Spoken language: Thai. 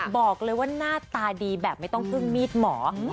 บอกเลยว่าหน้าตาดีแบบไม่ต้องพึ่งมีดหมอ